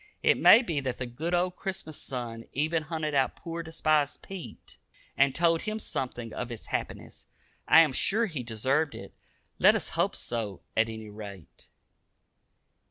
It may be that the good old Christmas sun even hunted out poor despised Pete, and told him something of its happiness. I am sure he deserved it. Let us hope so at any rate.